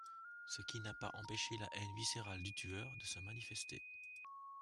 Ce qui n'a pas empêché la haine viscérale du tueur de se manifester.